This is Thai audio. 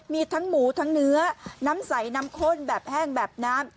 มีทั้งหมูทั้งเนื้อน้ำใสน้ำข้นแบบแห้งแบบน้ำ